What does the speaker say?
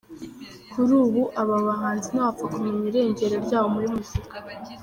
Kuri ubu aba bahanzi ntawapfa kumenya irengero ryabo muri muzika .